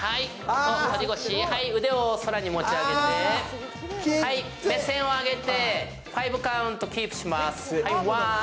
腕を空に持ち上げて、目線を上げて５カウントキープします。